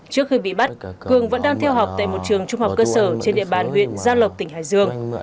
trước khi bị bắt cường vẫn đang theo học tại một trường trung học cơ sở trên địa bàn huyện gia lộc tỉnh hải dương